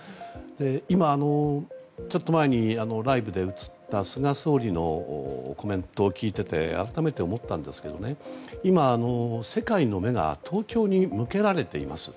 今、ちょっと前にライブで映った菅総理のコメントを聞いていて改めて思ったんですけど今、世界の目が東京に向けられています。